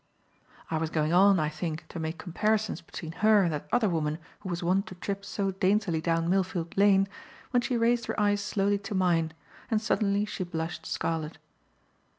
I was going on, I think, to make comparisons between her and that other woman who was wont to trip so daintily down Millfield Lane, when she raised her eyes slowly to mine; and suddenly she blushed scarlet.